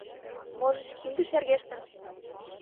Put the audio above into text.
Можыч, кинде шергештын?